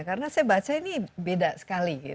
karena saya baca ini beda sekali gitu